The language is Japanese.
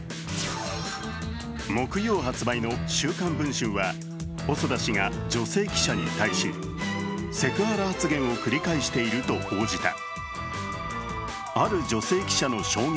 木曜発売の「週刊文春」は細田氏が女性記者に対しセクハラ発言を繰り返していると報じた。